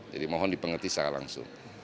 jadi mohon dipengerti secara langsung